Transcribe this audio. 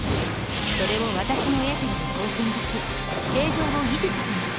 それを私のエーテルでコーティングし形状を維持させます。